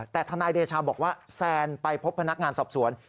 แต่ทนายเดชาบอกว่าแซนไปพบพนักงานสอบสวน